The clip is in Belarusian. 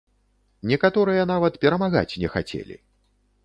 Некаторыя нават перамагаць не хацелі!